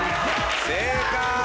正解！